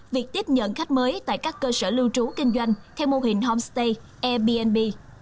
việc tiếp nhận khách mới tại các cơ sở lưu trú kinh doanh theo mô hình homestay airbnb